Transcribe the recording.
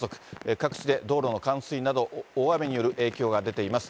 各地で道路の冠水など、大雨による影響が出ています。